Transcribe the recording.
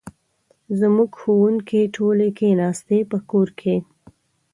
زموږ ښوونکې ټولې کښېناستي په کور کې